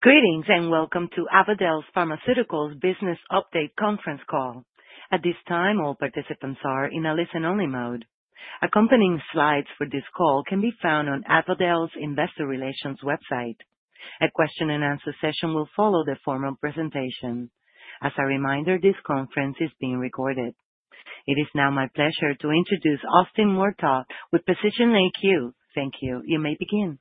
Greetings and welcome to Avadel Pharmaceuticals Business Update conference call. At this time, all participants are in a listen-only mode. Accompanying slides for this call can be found on Avadel's investor relations website. A question-and-answer session will follow the formal presentation. As a reminder, this conference is being recorded. It is now my pleasure to introduce with Precision AQ. Thank you. You may begin.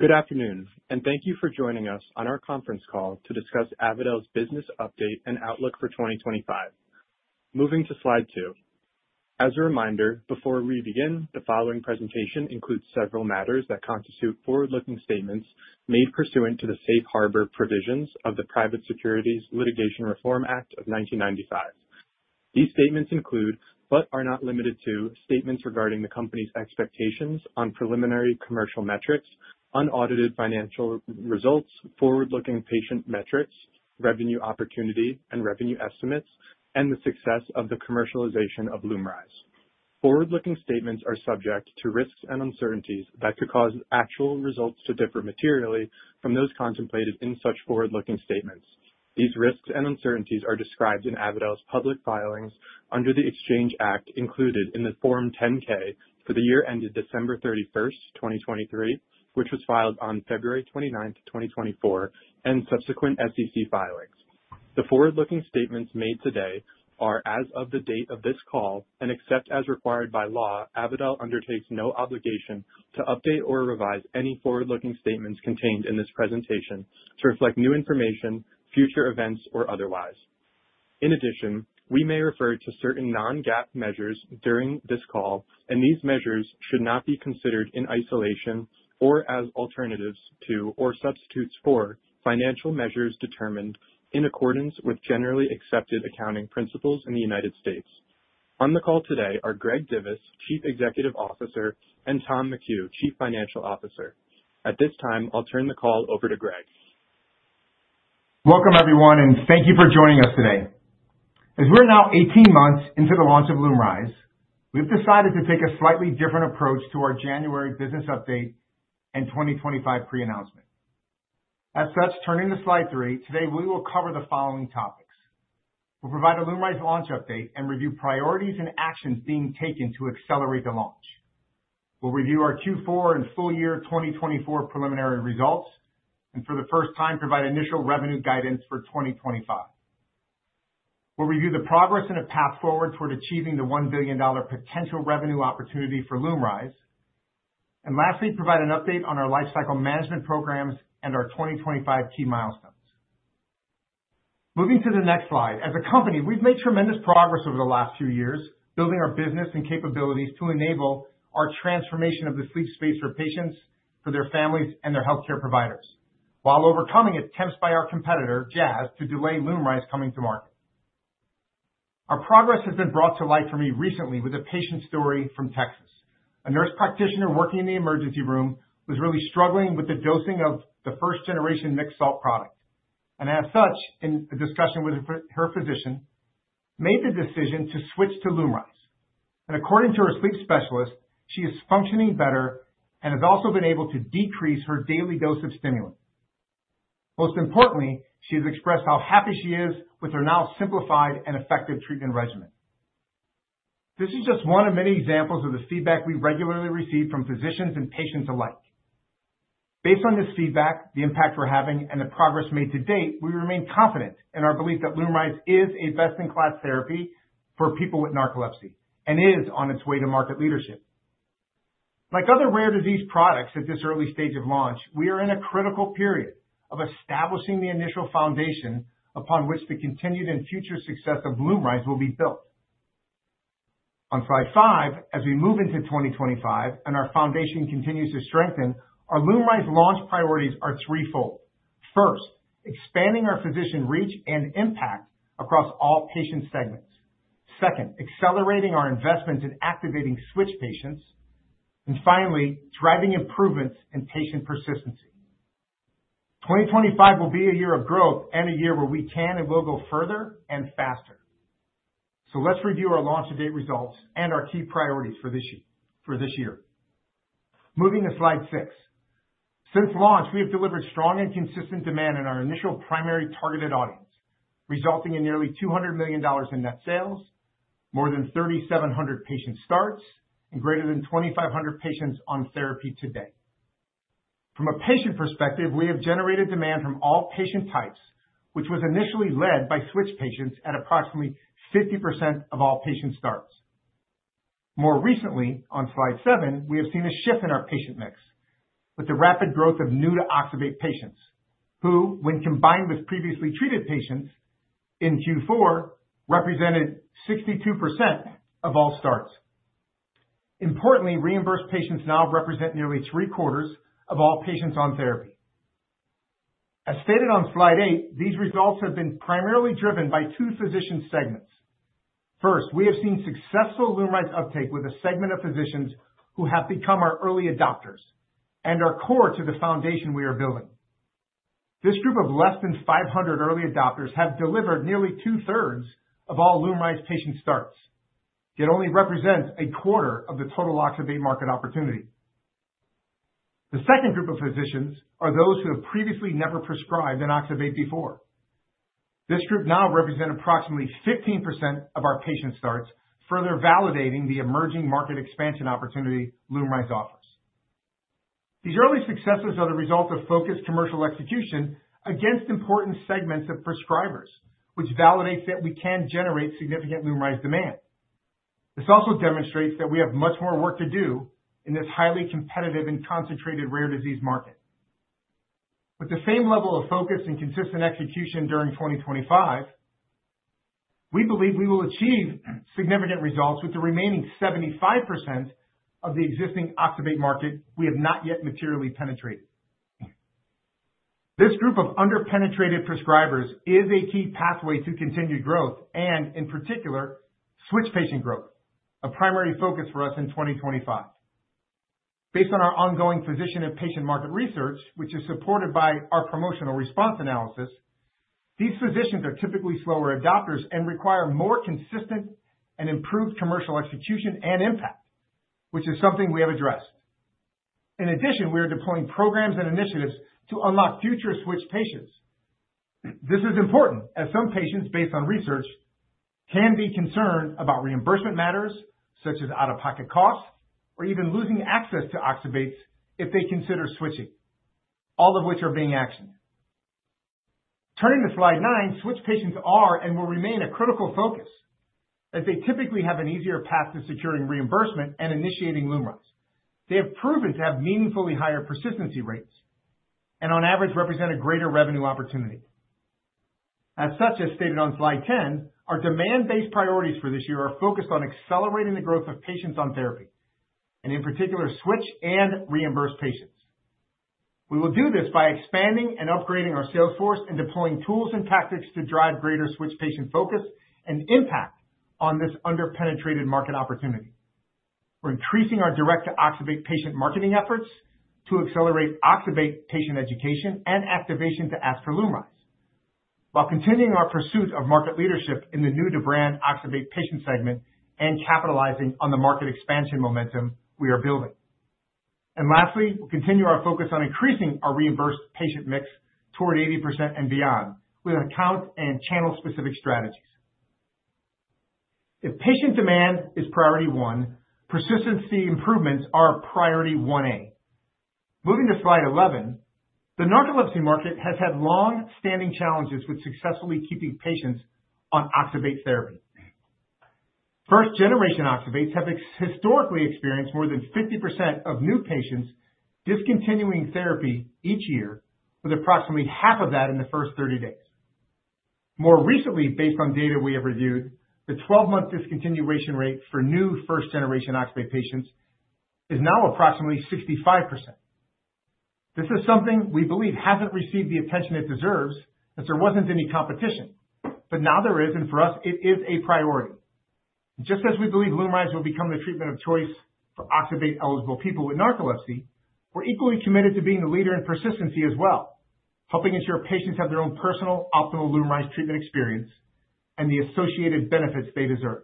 Good afternoon, and thank you for joining us on our conference call to discuss Avadel's business update and outlook for 2025. Moving to slide two. As a reminder, before we begin, the following presentation includes several matters that constitute forward-looking statements made pursuant to the safe harbor provisions of the Private Securities Litigation Reform Act of 1995. These statements include, but are not limited to, statements regarding the company's expectations on preliminary commercial metrics, unaudited financial results, forward-looking patient metrics, revenue opportunity and revenue estimates, and the success of the commercialization of LUMRYZ. Forward-looking statements are subject to risks and uncertainties that could cause actual results to differ materially from those contemplated in such forward-looking statements. These risks and uncertainties are described in Avadel's public filings under the Exchange Act included in the Form 10-K for the year ended December 31st, 2023, which was filed on February 29th, 2024, and subsequent SEC filings. The forward-looking statements made today are, as of the date of this call, and except as required by law, Avadel undertakes no obligation to update or revise any forward-looking statements contained in this presentation to reflect new information, future events, or otherwise. In addition, we may refer to certain non-GAAP measures during this call, and these measures should not be considered in isolation or as alternatives to or substitutes for financial measures determined in accordance with generally accepted accounting principles in the United States. On the call today are Greg Divis, Chief Executive Officer, and Tom McHugh, Chief Financial Officer. At this time, I'll turn the call over to Greg. Welcome, everyone, and thank you for joining us today. As we're now 18 months into the launch of LUMRYZ, we've decided to take a slightly different approach to our January business update and 2025 pre-announcement. As such, turning to slide three, today we will cover the following topics. We'll provide a LUMRYZ launch update and review priorities and actions being taken to accelerate the launch. We'll review our Q4 and full year 2024 preliminary results, and for the first time, provide initial revenue guidance for 2025. We'll review the progress and a path forward toward achieving the $1 billion potential revenue opportunity for LUMRYZ, and lastly, provide an update on our lifecycle management programs and our 2025 key milestones. Moving to the next slide. As a company, we've made tremendous progress over the last few years building our business and capabilities to enable our transformation of the sleep space for patients, for their families, and their healthcare providers, while overcoming attempts by our competitor, Jazz, to delay LUMRYZ coming to market. Our progress has been brought to light for me recently with a patient story from Texas. A nurse practitioner working in the emergency room was really struggling with the dosing of the first-generation mixed salt product. As such, in a discussion with her physician, she made the decision to switch to LUMRYZ. According to her sleep specialist, she is functioning better and has also been able to decrease her daily dose of stimulant. Most importantly, she has expressed how happy she is with her now simplified and effective treatment regimen. This is just one of many examples of the feedback we regularly receive from physicians and patients alike. Based on this feedback, the impact we're having, and the progress made to date, we remain confident in our belief that LUMRYZ is a best-in-class therapy for people with narcolepsy and is on its way to market leadership. Like other rare disease products at this early stage of launch, we are in a critical period of establishing the initial foundation upon which the continued and future success of LUMRYZ will be built. On slide five, as we move into 2025 and our foundation continues to strengthen, our LUMRYZ launch priorities are threefold. First, expanding our physician reach and impact across all patient segments. Second, accelerating our investments in activating switch patients. And finally, driving improvements in patient persistence. 2025 will be a year of growth and a year where we can and will go further and faster, so let's review our launch to date results and our key priorities for this year. Moving to slide six. Since launch, we have delivered strong and consistent demand in our initial primary targeted audience, resulting in nearly $200 million in net sales, more than 3,700 patient starts, and greater than 2,500 patients on therapy today. From a patient perspective, we have generated demand from all patient types, which was initially led by switch patients at approximately 50% of all patient starts. More recently, on slide seven, we have seen a shift in our patient mix with the rapid growth of new-to-oxybate patients who, when combined with previously treated patients in Q4, represented 62% of all starts. Importantly, reimbursed patients now represent nearly three quarters of all patients on therapy. As stated on slide eight, these results have been primarily driven by two physician segments. First, we have seen successful LUMRYZ uptake with a segment of physicians who have become our early adopters and are core to the foundation we are building. This group of less than 500 early adopters have delivered nearly two-thirds of all LUMRYZ patient starts. It only represents a quarter of the total oxybate market opportunity. The second group of physicians are those who have previously never prescribed an oxybate before. This group now represents approximately 15% of our patient starts, further validating the emerging market expansion opportunity LUMRYZ offers. These early successes are the result of focused commercial execution against important segments of prescribers, which validates that we can generate significant LUMRYZ demand. This also demonstrates that we have much more work to do in this highly competitive and concentrated rare disease market. With the same level of focus and consistent execution during 2025, we believe we will achieve significant results with the remaining 75% of the existing oxybate market we have not yet materially penetrated. This group of under-penetrated prescribers is a key pathway to continued growth and, in particular, switch patient growth, a primary focus for us in 2025. Based on our ongoing physician and patient market research, which is supported by our promotional response analysis, these physicians are typically slower adopters and require more consistent and improved commercial execution and impact, which is something we have addressed. In addition, we are deploying programs and initiatives to unlock future switch patients. This is important as some patients, based on research, can be concerned about reimbursement matters such as out-of-pocket costs or even losing access to oxybates if they consider switching, all of which are being actioned. Turning to slide nine, switch patients are and will remain a critical focus as they typically have an easier path to securing reimbursement and initiating LUMRYZ. They have proven to have meaningfully higher persistency rates and, on average, represent a greater revenue opportunity. As such, as stated on slide 10, our demand-based priorities for this year are focused on accelerating the growth of patients on therapy and, in particular, switch and reimbursed patients. We will do this by expanding and upgrading our sales force and deploying tools and tactics to drive greater switch patient focus and impact on this under-penetrated market opportunity. We're increasing our direct-to-oxybate patient marketing efforts to accelerate oxybate patient education and activation to ask for LUMRYZ. While continuing our pursuit of market leadership in the new-to-brand oxybate patient segment and capitalizing on the market expansion momentum we are building. And lastly, we'll continue our focus on increasing our reimbursed patient mix toward 80% and beyond with account and channel-specific strategies. If patient demand is priority one, persistency improvements are priority 1A. Moving to slide 11, the narcolepsy market has had long-standing challenges with successfully keeping patients on oxybate therapy. First-generation oxybates have historically experienced more than 50% of new patients discontinuing therapy each year, with approximately half of that in the first 30 days. More recently, based on data we have reviewed, the 12-month discontinuation rate for new first-generation oxybate patients is now approximately 65%. This is something we believe hasn't received the attention it deserves as there wasn't any competition, but now there is, and for us, it is a priority. Just as we believe LUMRYZ will become the treatment of choice for oxybate-eligible people with narcolepsy, we're equally committed to being the leader in persistency as well, helping ensure patients have their own personal optimal LUMRYZ treatment experience and the associated benefits they deserve.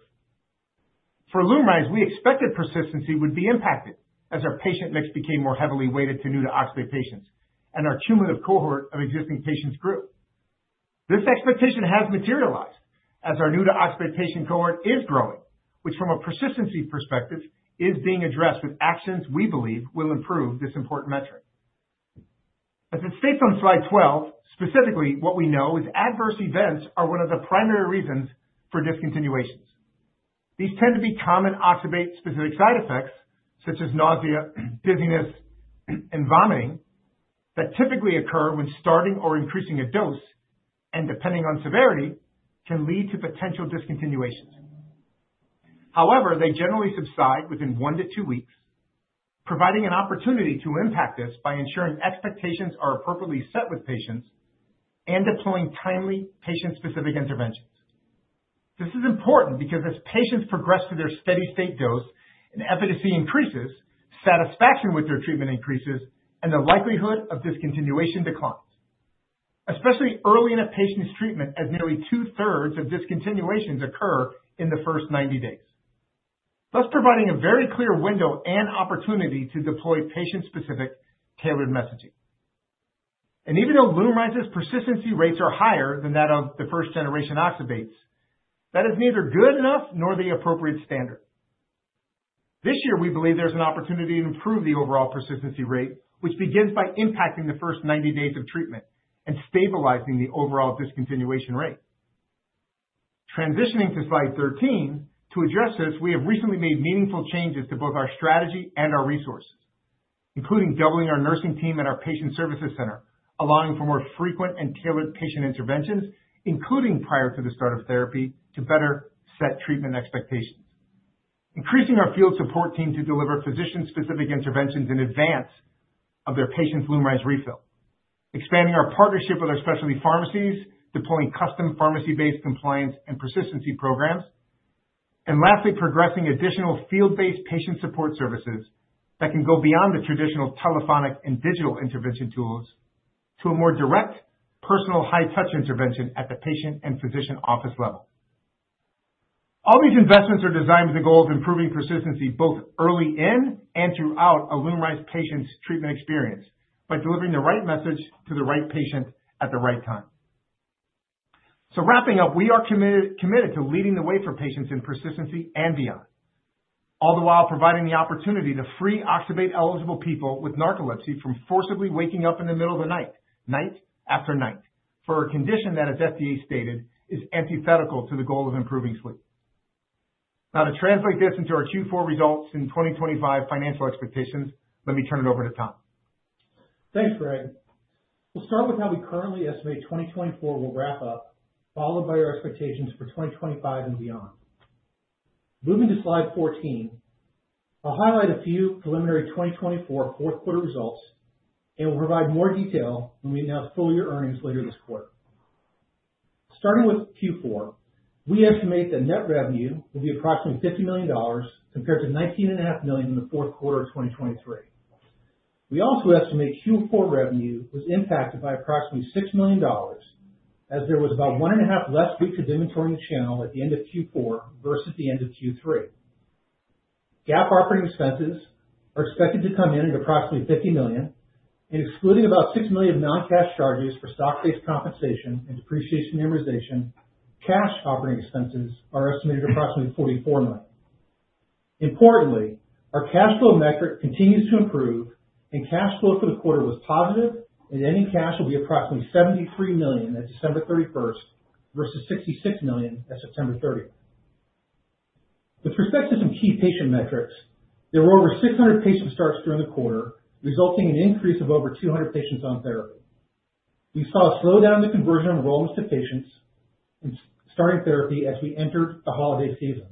For LUMRYZ, we expected persistency would be impacted as our patient mix became more heavily weighted to new-to-oxybate patients and our cumulative cohort of existing patients grew. This expectation has materialized as our new-to-oxybate patient cohort is growing, which, from a persistency perspective, is being addressed with actions we believe will improve this important metric. As it states on slide 12, specifically what we know is adverse events are one of the primary reasons for discontinuations. These tend to be common oxybate-specific side effects such as nausea, dizziness, and vomiting that typically occur when starting or increasing a dose and, depending on severity, can lead to potential discontinuations. However, they generally subside within one to two weeks, providing an opportunity to impact this by ensuring expectations are appropriately set with patients and deploying timely patient-specific interventions. This is important because as patients progress to their steady-state dose, efficacy increases, satisfaction with their treatment increases, and the likelihood of discontinuation declines, especially early in a patient's treatment as nearly two-thirds of discontinuations occur in the first 90 days, thus providing a very clear window and opportunity to deploy patient-specific tailored messaging, and even though LUMRYZ's persistency rates are higher than that of the first-generation oxybates, that is neither good enough nor the appropriate standard. This year, we believe there's an opportunity to improve the overall persistency rate, which begins by impacting the first 90 days of treatment and stabilizing the overall discontinuation rate. Transitioning to slide 13, to address this, we have recently made meaningful changes to both our strategy and our resources, including doubling our nursing team and our patient services center, allowing for more frequent and tailored patient interventions, including prior to the start of therapy, to better set treatment expectations. Increasing our field support team to deliver physician-specific interventions in advance of their patients' LUMRYZ refill, expanding our partnership with our specialty pharmacies, deploying custom pharmacy-based compliance and persistency programs, and lastly, progressing additional field-based patient support services that can go beyond the traditional telephonic and digital intervention tools to a more direct, personal high-touch intervention at the patient and physician office level. All these investments are designed with the goal of improving persistency both early in and throughout a LUMRYZ patient's treatment experience by delivering the right message to the right patient at the right time, so wrapping up, we are committed to leading the way for patients in persistency and beyond, all the while providing the opportunity to free oxybate-eligible people with narcolepsy from forcibly waking up in the middle of the night, night after night, for a condition that, as FDA stated, is antithetical to the goal of improving sleep. Now, to translate this into our Q4 results and 2025 financial expectations, let me turn it over to Tom. Thanks, Greg. We'll start with how we currently estimate 2024 will wrap up, followed by our expectations for 2025 and beyond. Moving to slide 14, I'll highlight a few preliminary 2024 fourth-quarter results and will provide more detail when we announce full-year earnings later this quarter. Starting with Q4, we estimate that net revenue will be approximately $50 million compared to $19.5 million in the fourth quarter of 2023. We also estimate Q4 revenue was impacted by approximately $6 million as there was about one and a half less weeks of inventory in the channel at the end of Q4 versus at the end of Q3. GAAP operating expenses are expected to come in at approximately $50 million. And excluding about $6 million of non-cash charges for stock-based compensation and depreciation amortization, cash operating expenses are estimated at approximately $44 million. Importantly, our cash flow metric continues to improve, and cash flow for the quarter was positive, and ending cash will be approximately $73 million at December 31st versus $66 million at September 30th. With respect to some key patient metrics, there were over 600 patient starts during the quarter, resulting in an increase of over 200 patients on therapy. We saw a slowdown in the conversion of enrollments to patients and starting therapy as we entered the holiday season,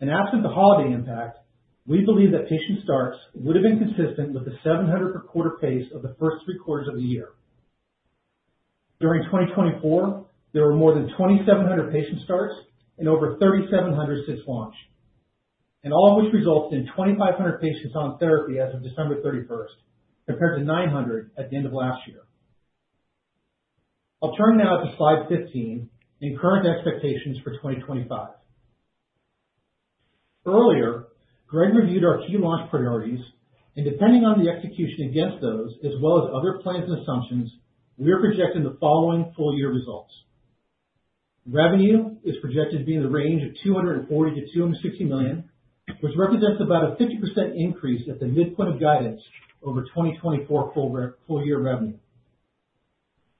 and absent the holiday impact, we believe that patient starts would have been consistent with the 700-per-quarter pace of the first three quarters of the year. During 2024, there were more than 2,700 patient starts and over 3,700 since launch, and all of which resulted in 2,500 patients on therapy as of December 31st compared to 900 at the end of last year. I'll turn now to slide 15 and current expectations for 2025. Earlier, Greg reviewed our key launch priorities, and depending on the execution against those, as well as other plans and assumptions, we are projecting the following full-year results. Revenue is projected to be in the range of $240-$260 million, which represents about a 50% increase at the midpoint of guidance over 2024 full-year revenue.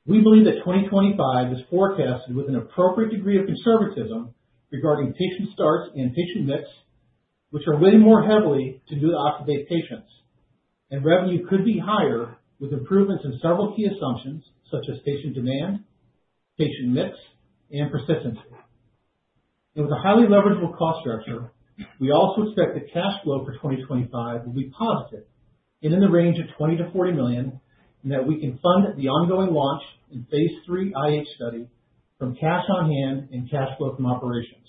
We believe that 2025 is forecasted with an appropriate degree of conservatism regarding patient starts and patient mix, which are weighing more heavily to new oxybate patients, and revenue could be higher with improvements in several key assumptions such as patient demand, patient mix, and persistency. With a highly leverageable cost structure, we also expect that cash flow for 2025 will be positive and in the range of $20-$40 million and that we can fund the ongoing launch and Phase 3 IH study from cash on hand and cash flow from operations.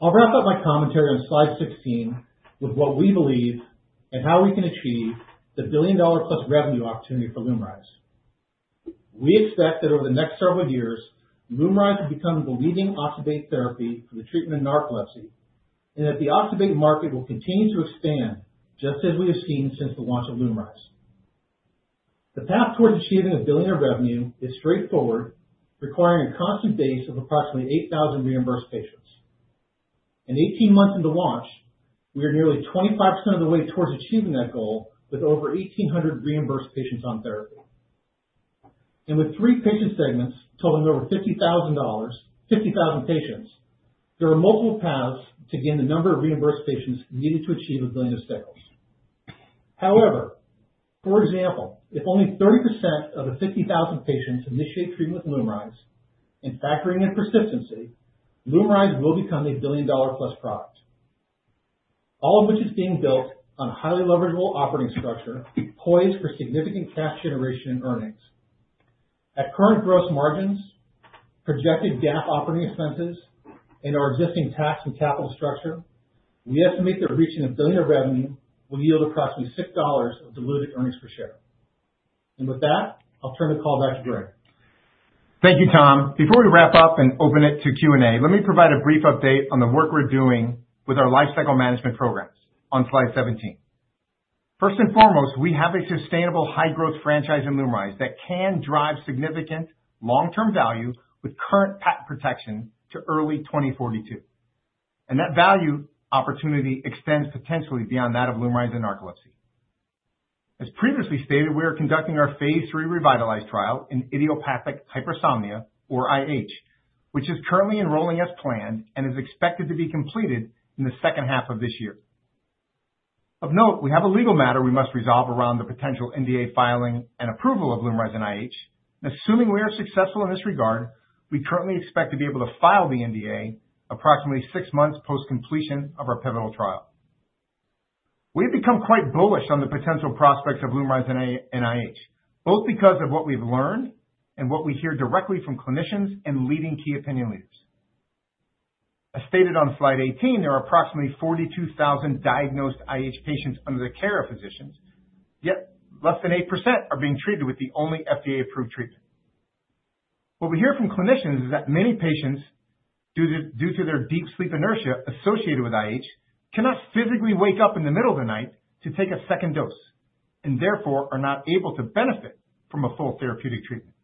I'll wrap up my commentary on slide 16 with what we believe and how we can achieve the billion-dollar-plus revenue opportunity for LUMRYZ. We expect that over the next several years, LUMRYZ will become the leading oxybate therapy for the treatment of narcolepsy and that the oxybate market will continue to expand just as we have seen since the launch of LUMRYZ. The path towards achieving a billion of revenue is straightforward, requiring a constant base of approximately 8,000 reimbursed patients. In 18 months into launch, we are nearly 25% of the way towards achieving that goal with over 1,800 reimbursed patients on therapy. With three patient segments totaling over 50,000 patients, there are multiple paths to gain the number of reimbursed patients needed to achieve a billion of sales. However, for example, if only 30% of the 50,000 patients initiate treatment with LUMRYZ, and factoring in persistency, LUMRYZ will become a billion-dollar-plus product, all of which is being built on a highly leverageable operating structure poised for significant cash generation and earnings. At current gross margins, projected GAAP operating expenses, and our existing tax and capital structure, we estimate that reaching a billion of revenue will yield approximately $6 of diluted earnings per share. With that, I'll turn the call back to Greg. Thank you, Tom. Before we wrap up and open it to Q&A, let me provide a brief update on the work we're doing with our lifecycle management programs on slide 17. First and foremost, we have a sustainable high-growth franchise in LUMRYZ that can drive significant long-term value with current patent protection to early 2042. And that value opportunity extends potentially beyond that of LUMRYZ and narcolepsy. As previously stated, we are conducting our Phase 3 REVITALYZ trial in idiopathic hypersomnia, or IH, which is currently enrolling as planned and is expected to be completed in the second half of this year. Of note, we have a legal matter we must resolve around the potential NDA filing and approval of LUMRYZ and IH. Assuming we are successful in this regard, we currently expect to be able to file the NDA approximately six months post-completion of our pivotal trial. We have become quite bullish on the potential prospects of LUMRYZ and IH, both because of what we've learned and what we hear directly from clinicians and leading key opinion leaders. As stated on slide 18, there are approximately 42,000 diagnosed IH patients under the care of physicians, yet less than 8% are being treated with the only FDA-approved treatment. What we hear from clinicians is that many patients, due to their deep sleep inertia associated with IH, cannot physically wake up in the middle of the night to take a second dose and therefore are not able to benefit from a full therapeutic treatment.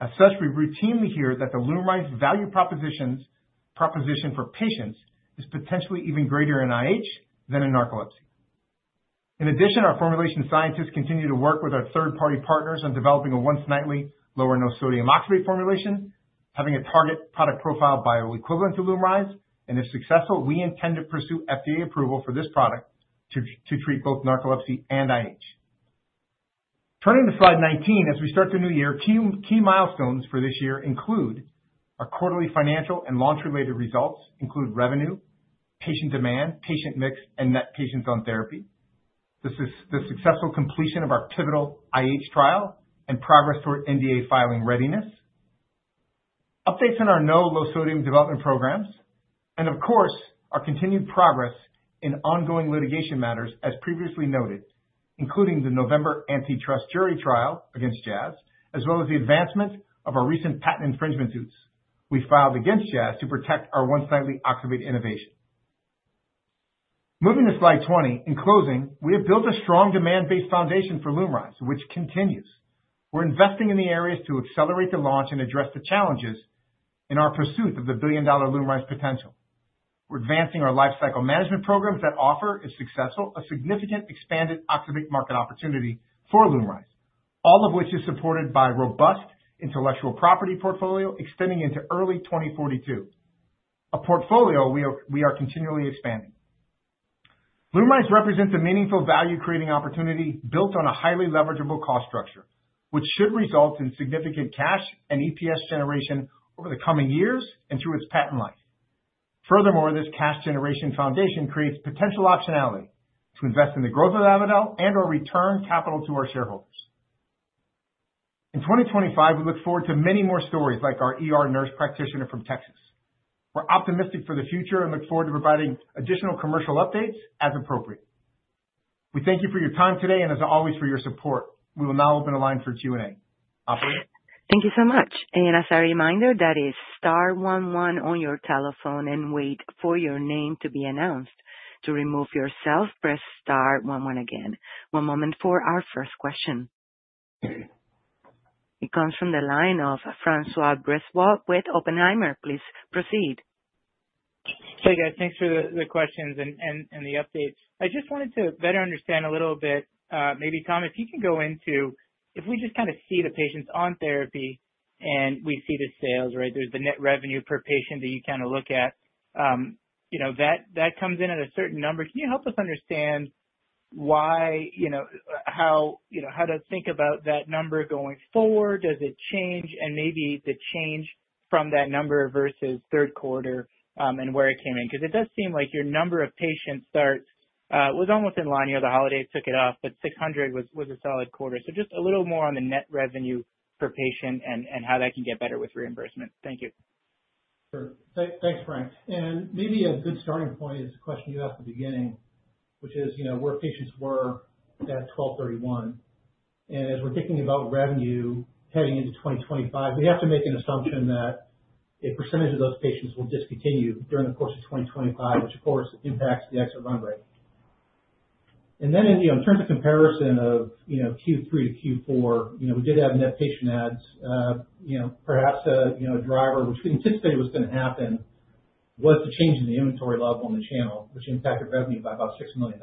As such, we routinely hear that the LUMRYZ value proposition for patients is potentially even greater in IH than in narcolepsy. In addition, our formulation scientists continue to work with our third-party partners on developing a once-nightly low-or-no-sodium oxybate formulation, having a target product profile bioequivalent to LUMRYZ, and if successful, we intend to pursue FDA approval for this product to treat both narcolepsy and IH. Turning to slide 19, as we start the new year, key milestones for this year include our quarterly financial and launch-related results, including revenue, patient demand, patient mix, and net patients on therapy, the successful completion of our pivotal IH trial, and progress toward NDA filing readiness, updates in our low-no-sodium development programs, and of course, our continued progress in ongoing litigation matters, as previously noted, including the November antitrust jury trial against Jazz, as well as the advancement of our recent patent infringement suits we filed against Jazz to protect our once-nightly oxybate innovation. Moving to slide 20, in closing, we have built a strong demand-based foundation for LUMRYZ, which continues. We're investing in the areas to accelerate the launch and address the challenges in our pursuit of the billion-dollar LUMRYZ potential. We're advancing our lifecycle management programs that offer, if successful, a significant expanded oxybate market opportunity for LUMRYZ, all of which is supported by a robust intellectual property portfolio extending into early 2042, a portfolio we are continually expanding. LUMRYZ represents a meaningful value-creating opportunity built on a highly leverageable cost structure, which should result in significant cash and EPS generation over the coming years and through its patent life. Furthermore, this cash generation foundation creates potential optionality to invest in the growth of Avadel and/or return capital to our shareholders. In 2025, we look forward to many more stories like our nurse practitioner from Texas. We're optimistic for the future and look forward to providing additional commercial updates as appropriate. We thank you for your time today and, as always, for your support. We will now open the line for Q&A. Operator. Thank you so much. And as a reminder, that is star 11 on your telephone and wait for your name to be announced. To remove yourself, press star 11 again. One moment for our first question. It comes from the line of François Brisebois with Oppenheimer. Please proceed. Hey, guys. Thanks for the questions and the updates. I just wanted to better understand a little bit. Maybe, Tom, if you can go into if we just kind of see the patients on therapy and we see the sales, right? There's the net revenue per patient that you kind of look at. That comes in at a certain number. Can you help us understand how to think about that number going forward? Does it change, and maybe the change from that number versus third quarter and where it came in? Because it does seem like your number of patients starts was almost in line. The holidays took it off, but 600 was a solid quarter. So just a little more on the net revenue per patient and how that can get better with reimbursement. Thank you. Sure. Thanks, Frank, and maybe a good starting point is the question you asked at the beginning, which is where patients were at 12/31, and as we're thinking about revenue heading into 2025, we have to make an assumption that a percentage of those patients will discontinue during the course of 2025, which, of course, impacts the exit run rate. Then in terms of comparison of Q3 to Q4, we did have net patient adds. Perhaps a driver, which we anticipated was going to happen, was the change in the inventory level in the channel, which impacted revenue by about $6 million.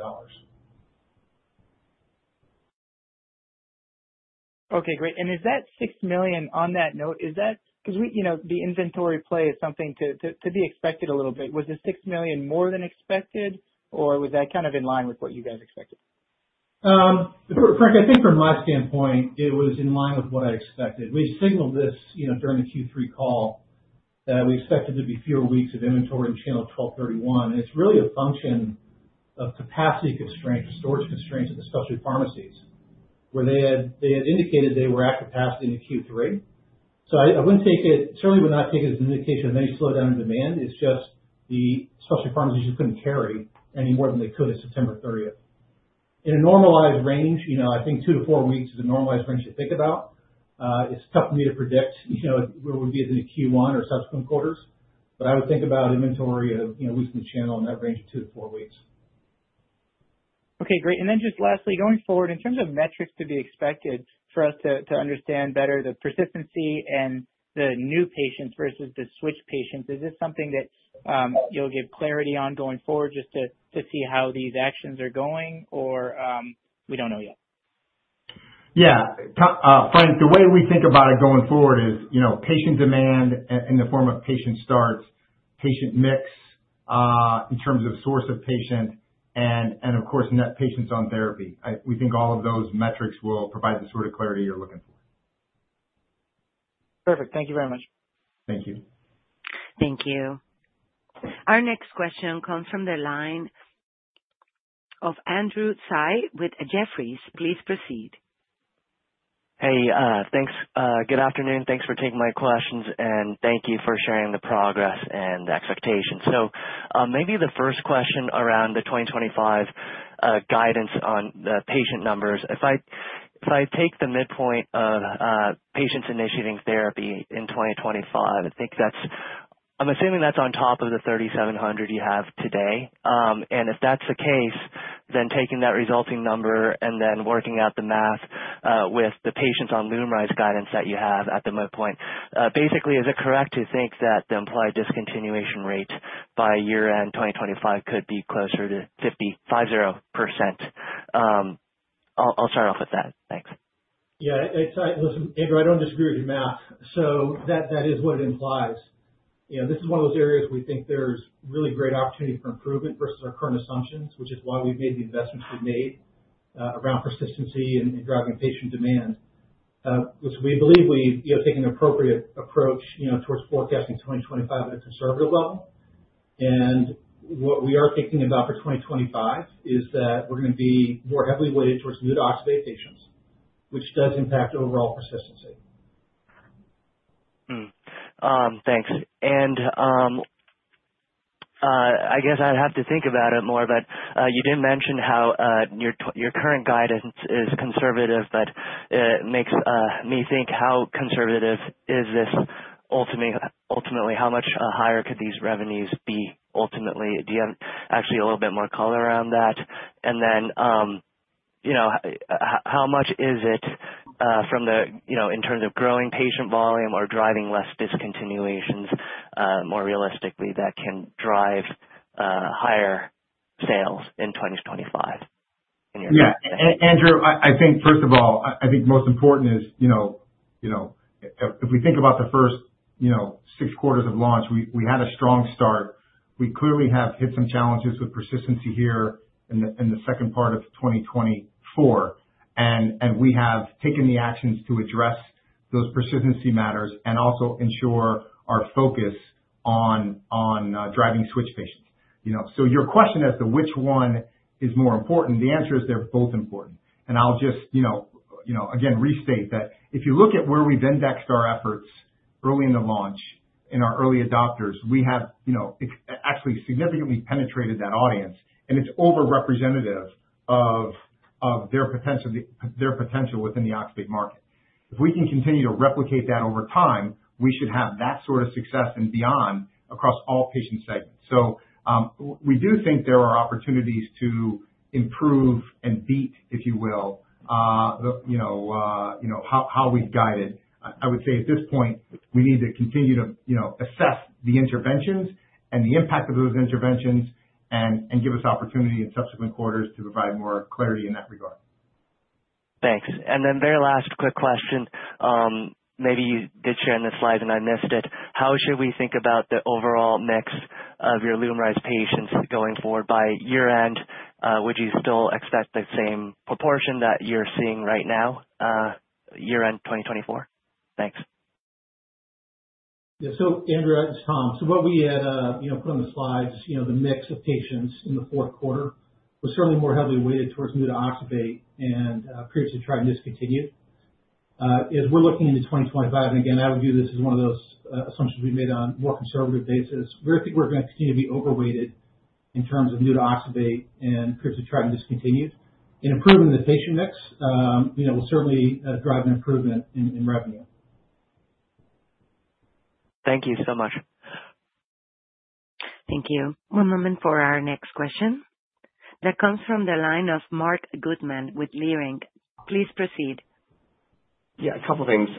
Okay. Great. Is that 6 million on that note? Because the inventory play is something to be expected a little bit. Was the 6 million more than expected, or was that kind of in line with what you guys expected? Frank, I think from my standpoint, it was in line with what I expected. We signaled this during the Q3 call that we expected there'd be fewer weeks of inventory in channel 12/31. It's really a function of capacity constraint, storage constraints at the specialty pharmacies, where they had indicated they were at capacity in Q3. So I certainly would not take it as an indication of any slowdown in demand. It's just the specialty pharmacies just couldn't carry any more than they could at September 30th. In a normalized range, I think two to four weeks is a normalized range to think about. It's tough for me to predict where we'd be in Q1 or subsequent quarters, but I would think about inventory of weeks in the channel in that range of two to four weeks. Okay. Great. And then just lastly, going forward, in terms of metrics to be expected for us to understand better the persistency and the new patients versus the switch patients, is this something that you'll give clarity on going forward just to see how these actions are going, or we don't know yet? Yeah. Frank, the way we think about it going forward is patient demand in the form of patient starts, patient mix in terms of source of patient, and, of course, net patients on therapy. We think all of those metrics will provide the sort of clarity you're looking for. Perfect. Thank you very much. Thank you. Thank you. Our next question comes from the line of Andrew Tsai with Jefferies. Please proceed. Hey. Thanks. Good afternoon. Thanks for taking my questions, and thank you for sharing the progress and expectations. So maybe the first question around the 2025 guidance on the patient numbers. If I take the midpoint of patients initiating therapy in 2025, I'm assuming that's on top of the 3,700 you have today. And if that's the case, then taking that resulting number and then working out the math with the patients on LUMRYZ guidance that you have at the midpoint, basically, is it correct to think that the implied discontinuation rate by year-end 2025 could be closer to 50%? I'll start off with that. Thanks. Yeah. Listen, Andrew, I don't disagree with your math. So that is what it implies. This is one of those areas where we think there's really great opportunity for improvement versus our current assumptions, which is why we've made the investments we've made around persistency and driving patient demand, which we believe we've taken an appropriate approach towards forecasting 2025 at a conservative level. And what we are thinking about for 2025 is that we're going to be more heavily weighted towards new-to-oxybate patients, which does impact overall persistency. Thanks. And I guess I'd have to think about it more, but you did mention how your current guidance is conservative, but it makes me think, how conservative is this ultimately? How much higher could these revenues be ultimately? Do you have actually a little bit more color around that? And then how much is it from the in terms of growing patient volume or driving less discontinuations more realistically that can drive higher sales in 2025 in your mind? Yeah. Andrew, I think, first of all, I think most important is if we think about the first six quarters of launch, we had a strong start. We clearly have hit some challenges with persistency here in the second part of 2024. And we have taken the actions to address those persistency matters and also ensure our focus on driving switch patients. So your question as to which one is more important, the answer is they're both important. And I'll just, again, restate that if you look at where we've indexed our efforts early in the launch in our early adopters, we have actually significantly penetrated that audience, and it's overrepresentative of their potential within the oxybate market. If we can continue to replicate that over time, we should have that sort of success and beyond across all patient segments. So we do think there are opportunities to improve and beat, if you will, how we've guided. I would say at this point, we need to continue to assess the interventions and the impact of those interventions and give us opportunity in subsequent quarters to provide more clarity in that regard. Thanks. And then very last quick question. Maybe you did share in this slide, and I missed it. How should we think about the overall mix of your LUMRYZ patients going forward? By year-end, would you still expect the same proportion that you're seeing right now, year-end 2024? Thanks. Yeah. So, Andrew, as Tom, so what we had put on the slides, the mix of patients in the fourth quarter was certainly more heavily weighted towards new-to-oxybate and periods of trying to discontinue. As we're looking into 2025, and again, I would view this as one of those assumptions we've made on a more conservative basis, we think we're going to continue to be overweighted in terms of new-to-oxybate and periods of trying to discontinue. In improving the patient mix, we'll certainly drive an improvement in revenue. Thank you so much. Thank you. One moment for our next question. That comes from the line of Marc Goodman with Leerink. Please proceed. Yeah. A couple of things.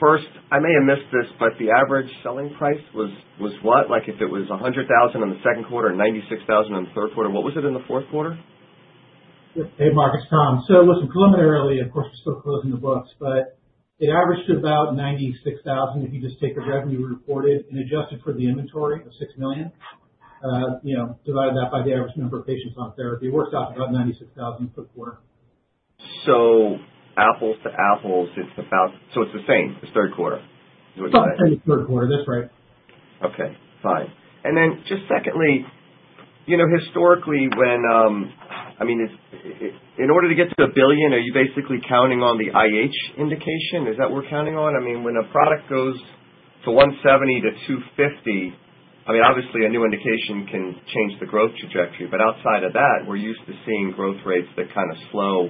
First, I may have missed this, but the average selling price was what? If it was $100,000 in the second quarter and $96,000 in the third quarter, what was it in the fourth quarter? Hey, Marc. It's Tom. So listen, preliminarily, of course, we're still closing the books, but it averaged about $96,000 if you just take the revenue reported and adjusted for the inventory of $6 million, divided that by the average number of patients on therapy. It works out to about $96,000 for the quarter. So apples-to-apples, it's about it's the same as third quarter, is what you're saying? About the same as third quarter. That's right. Okay. Fine. And then just secondly, historically, I mean, in order to get to $1 billion, are you basically counting on the IH indication? Is that what we're counting on? I mean, when a product goes to $170-$250, I mean, obviously, a new indication can change the growth trajectory. But outside of that, we're used to seeing growth rates that kind of slow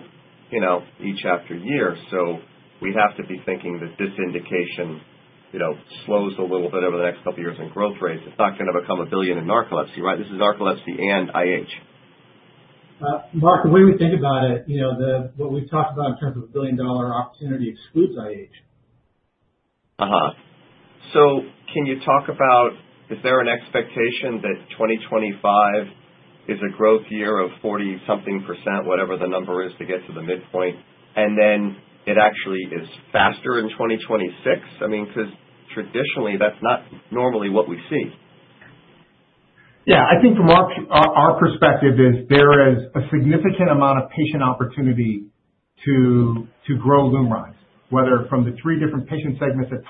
year after year. So we have to be thinking that this indication slows a little bit over the next couple of years in growth rates. It's not going to become a $1 billion in narcolepsy, right? This is narcolepsy and IH. Marc, the way we think about it, what we've talked about in terms of a billion-dollar opportunity excludes IH. So can you talk about, is there an expectation that 2025 is a growth year of 40-something%, whatever the number is, to get to the midpoint, and then it actually is faster in 2026? I mean, because traditionally, that's not normally what we see. Yeah. I think from our perspective, there is a significant amount of patient opportunity to grow LUMRYZ, whether from the three different patient segments that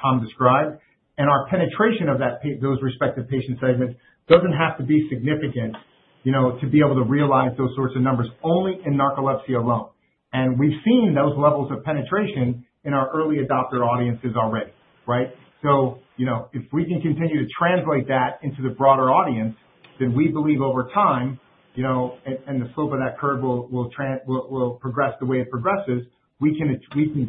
Tom described. And our penetration of those respective patient segments doesn't have to be significant to be able to realize those sorts of numbers only in narcolepsy alone. And we've seen those levels of penetration in our early adopter audiences already, right? So if we can continue to translate that into the broader audience, then we believe over time, and the slope of that curve will progress the way it progresses, we can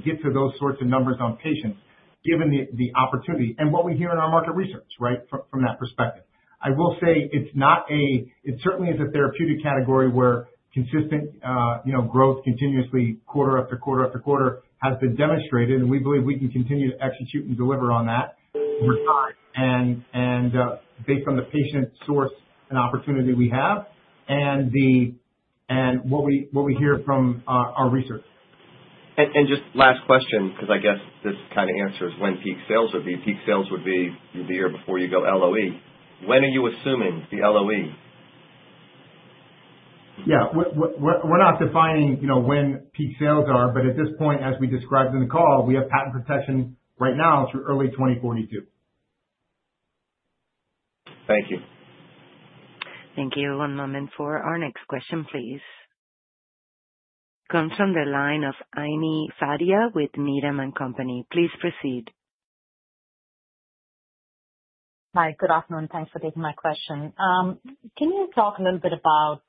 get to those sorts of numbers on patients given the opportunity and what we hear in our market research, right, from that perspective. I will say it's not. It certainly is a therapeutic category where consistent growth continuously quarter after quarter after quarter has been demonstrated, and we believe we can continue to execute and deliver on that over time and based on the patient source and opportunity we have and what we hear from our research. Just last question, because I guess this kind of answers when peak sales would be. Peak sales would be the year before you go LOE. When are you assuming the LOE? Yeah. We're not defining when peak sales are, but at this point, as we described in the call, we have patent protection right now through early 2042. Thank you. Thank you. One moment for our next question, please. Comes from the line of Ami Fadia with Needham & Company. Please proceed. Hi. Good afternoon. Thanks for taking my question. Can you talk a little bit about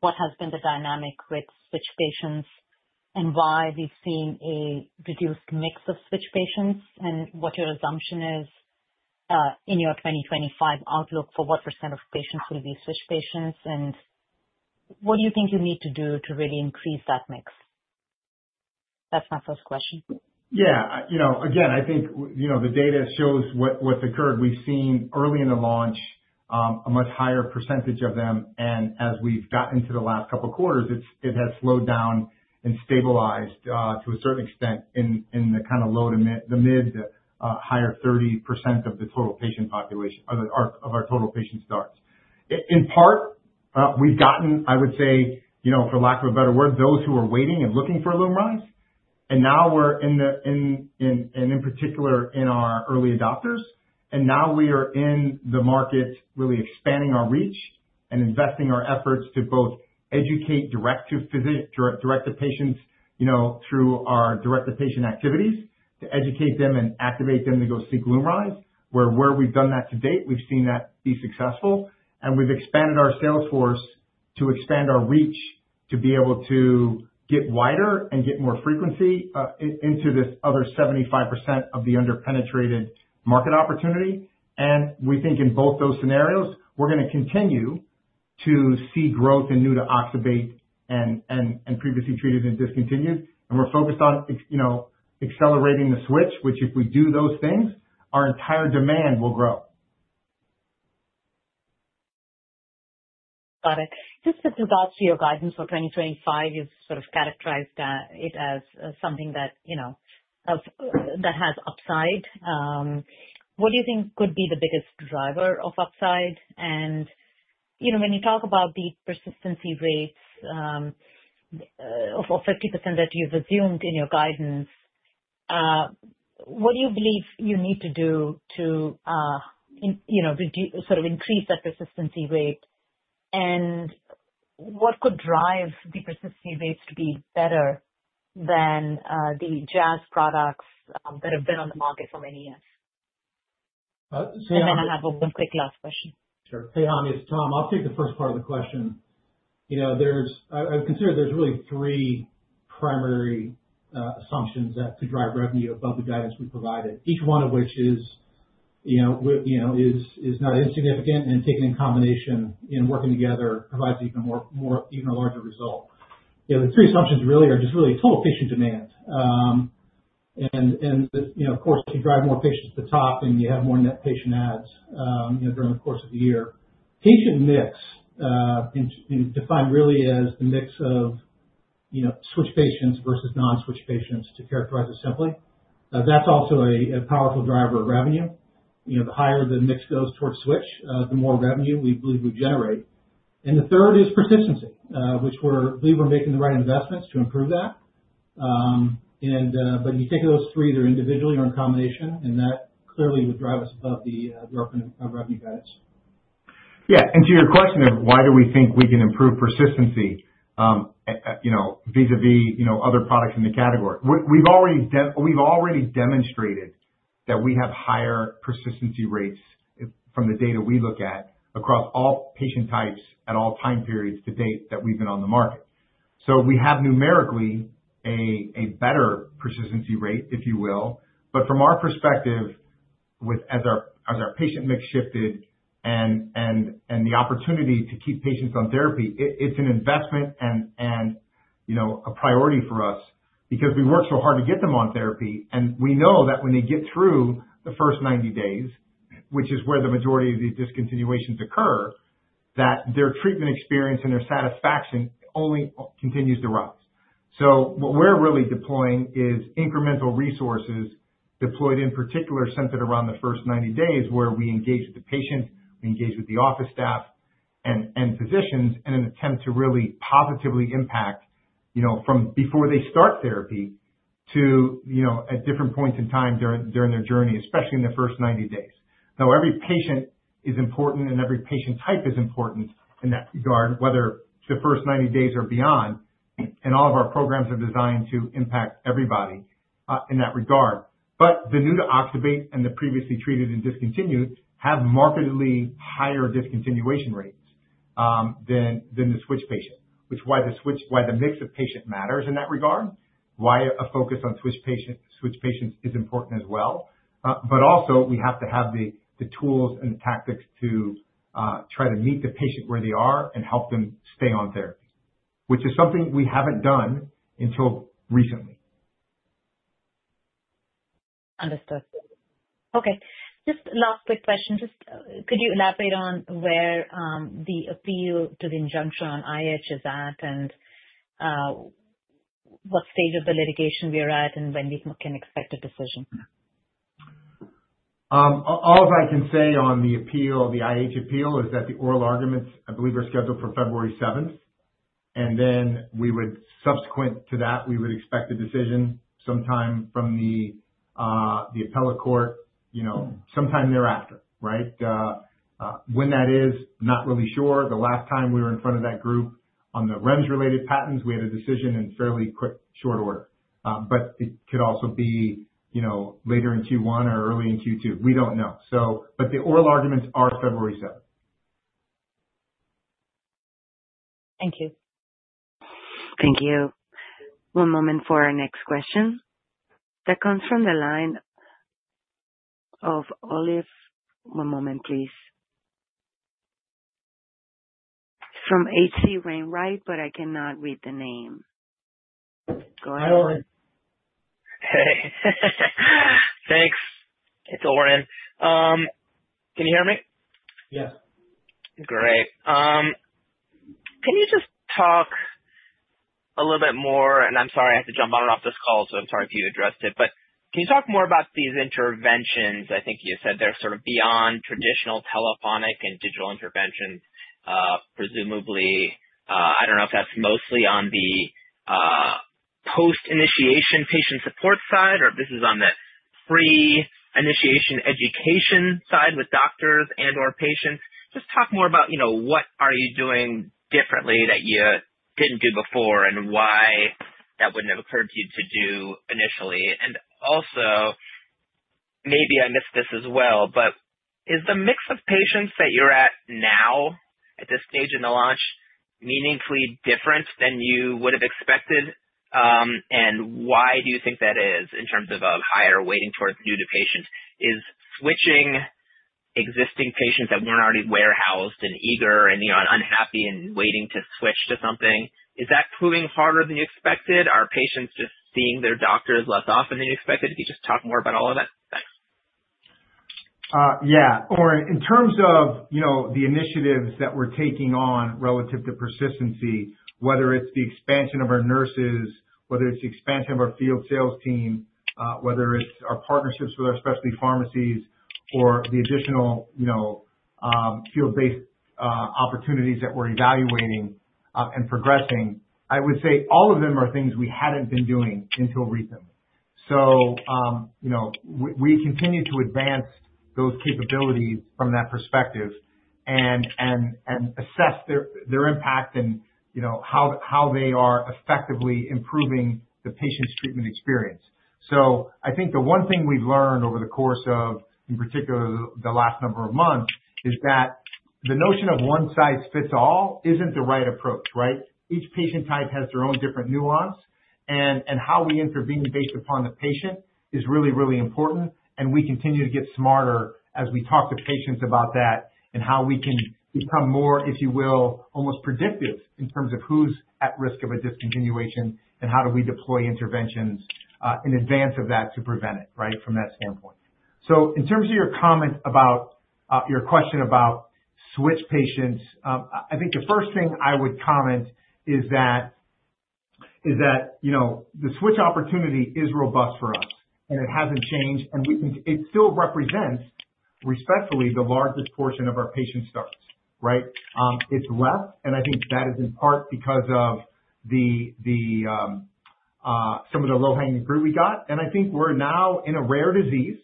what has been the dynamic with switch patients and why we've seen a reduced mix of switch patients and what your assumption is in your 2025 outlook for what percent of patients will be switch patients? And what do you think you need to do to really increase that mix? That's my first question. Yeah. Again, I think the data shows what's occurred. We've seen early in the launch a much higher percentage of them. And as we've gotten into the last couple of quarters, it has slowed down and stabilized to a certain extent in the kind of low-to mid-to higher 30% of the total patient population of our total patient starts. In part, we've gotten, I would say, for lack of a better word, those who are waiting and looking for LUMRYZ. And now we're in, and in particular, in our early adopters. And now we are in the market really expanding our reach and investing our efforts to both educate direct-to-patient through our direct-to-patient activities to educate them and activate them to go seek LUMRYZ, where we've done that to date. We've seen that be successful. And we've expanded our sales force to expand our reach to be able to get wider and get more frequency into this other 75% of the under-penetrated market opportunity. And we think in both those scenarios, we're going to continue to see growth in new-to-oxybate and previously treated and discontinued. And we're focused on accelerating the switch, which if we do those things, our entire demand will grow. Got it. Just with regards to your guidance for 2025, you've sort of characterized it as something that has upside. What do you think could be the biggest driver of upside? And when you talk about the persistency rates of 50% that you've assumed in your guidance, what do you believe you need to do to sort of increase that persistency rate? And what could drive the persistency rates to be better than the Jazz products that have been on the market for many years? And then I have one quick last question. Sure. Hey, Ami. It's Tom. I'll take the first part of the question. I would consider there's really three primary assumptions that could drive revenue above the guidance we provided, each one of which is not insignificant. And taken in combination and working together, it provides even a larger result. The three assumptions really are just really total patient demand. And of course, if you drive more patients to the top and you have more net patient adds during the course of the year, patient mix defined really as the mix of switch patients versus non-switch patients to characterize it simply. That's also a powerful driver of revenue. The higher the mix goes towards switch, the more revenue we believe we generate. And the third is persistency, which we believe we're making the right investments to improve that. But if you take those three either individually or in combination, and that clearly would drive us above the revenue guidance. Yeah. And to your question of why do we think we can improve persistency vis-à-vis other products in the category, we've already demonstrated that we have higher persistency rates from the data we look at across all patient types at all time periods to date that we've been on the market. So we have numerically a better persistency rate, if you will. But from our perspective, as our patient mix shifted and the opportunity to keep patients on therapy, it's an investment and a priority for us because we work so hard to get them on therapy. And we know that when they get through the first 90 days, which is where the majority of the discontinuations occur, that their treatment experience and their satisfaction only continues to rise. So what we're really deploying is incremental resources deployed in particular centered around the first 90 days where we engage with the patient, we engage with the office staff and physicians in an attempt to really positively impact from before they start therapy to at different points in time during their journey, especially in the first 90 days. Now, every patient is important, and every patient type is important in that regard, whether the first 90 days or beyond, and all of our programs are designed to impact everybody in that regard. But the new-to-oxybate and the previously treated and discontinued have markedly higher discontinuation rates than the switch patient, which is why the mix of patient matters in that regard, why a focus on switch patients is important as well. But also, we have to have the tools and the tactics to try to meet the patient where they are and help them stay on therapy, which is something we haven't done until recently. Understood. Okay. Just last quick question. Just could you elaborate on where the appeal to the injunction on IH is at and what stage of the litigation we are at and when we can expect a decision? All I can say on the appeal, the IH appeal, is that the oral arguments, I believe, are scheduled for February 7th. And then subsequent to that, we would expect a decision sometime from the appellate court sometime thereafter, right? When that is, not really sure. The last time we were in front of that group on the REMS-related patents, we had a decision in fairly quick, short order. But it could also be later in Q1 or early in Q2. We don't know. But the oral arguments are February 7th. Thank you. Thank you. One moment for our next question. That comes from the line of Oren. One moment, please. It's from H.C. Wainwright, but I cannot read the name. Go ahead. Hey. Thanks. It's Oren. Can youhear me? Yes. Great. Can you just talk a little bit more? I'm sorry I have to jump on and off this call, so I'm sorry if you addressed it. Can you talk more about these interventions? I think you said they're sort of beyond traditional telephonic and digital interventions, presumably. I don't know if that's mostly on the post-initiation patient support side or if this is on the pre-initiation education side with doctors and/or patients. Just talk more about what are you doing differently that you didn't do before and why that wouldn't have occurred to you to do initially. Also, maybe I missed this as well, but is the mix of patients that you're at now at this stage in the launch meaningfully different than you would have expected? Why do you think that is in terms of a higher weighting towards new-to-patients? Is switching existing patients that weren't already warehoused and eager and unhappy and waiting to switch to something proving harder than you expected? Are patients just seeing their doctors less often than you expected? If you just talk more about all of that. Thanks. Yeah. Oren terms of the initiatives that we're taking on relative to persistency, whether it's the expansion of our nurses, whether it's the expansion of our field sales team, whether it's our partnerships with our specialty pharmacies, or the additional field-based opportunities that we're evaluating and progressing, I would say all of them are things we hadn't been doing until recently. So we continue to advance those capabilities from that perspective and assess their impact and how they are effectively improving the patient's treatment experience. So I think the one thing we've learned over the course of, in particular, the last number of months, is that the notion of one-size-fits-all isn't the right approach, right? Each patient type has their own different nuance, and how we intervene based upon the patient is really, really important. And we continue to get smarter as we talk to patients about that and how we can become more, if you will, almost predictive in terms of who's at risk of a discontinuation and how do we deploy interventions in advance of that to prevent it, right, from that standpoint. So in terms of your comment about your question about switch patients, I think the first thing I would comment is that the switch opportunity is robust for us, and it hasn't changed. And it still represents, respectfully, the largest portion of our patient starts, right? It's less, and I think that is in part because of some of the low-hanging fruit we got. I think we're now in a rare disease